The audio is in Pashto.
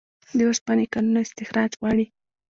د اوسپنې کانونه استخراج غواړي